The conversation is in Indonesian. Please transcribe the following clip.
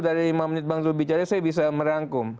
dari lima menit bang zul bicara saya bisa merangkum